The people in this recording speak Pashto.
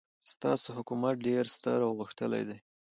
ستاسو حکومت ډېر ستر او غښتلی دی.